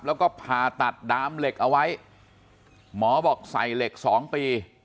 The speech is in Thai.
แล้วก็ผ่าตัดดามเหล็กเอาไว้หมอบอกใส่เหล็กสองปี